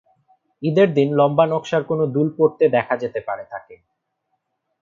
ঈদের দিন লম্বা নকশার কোনো দুল পরতে দেখা যেতে পারে তাঁকে।